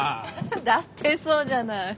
だってそうじゃない。